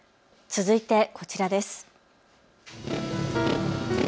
続いてこちらです。